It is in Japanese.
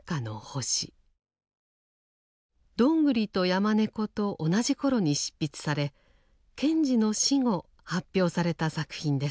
「どんぐりと山猫」と同じ頃に執筆され賢治の死後発表された作品です。